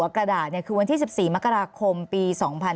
กระดาษเนี่ยคือวันที่๑๔มกราคมปี๒๕๖๐